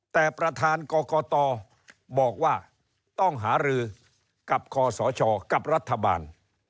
แต่ประธานกรกตบอกว่าต้องหารือกับคศกับรัฐบาล